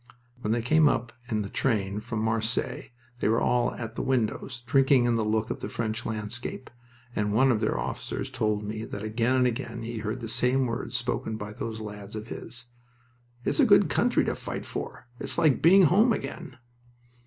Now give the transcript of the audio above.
When they came up in the train from Marseilles they were all at the windows, drinking in the look of the French landscape, and one of their officers told me that again and again he heard the same words spoken by those lads of his. "It's a good country to fight for... It's like being home again."